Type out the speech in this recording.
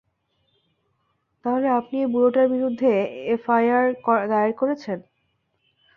তাহলে আপনি এই বুড়োটার বিরুদ্ধে এফআইআর দায়ের করেছেন?